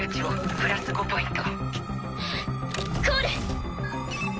プラス５ポイント。